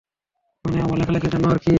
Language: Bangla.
মানে, আমার লেখালেখির জন্য আর কি।